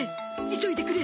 急いでくれ」